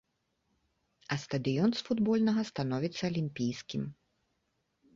А стадыён з футбольнага становіцца алімпійскім.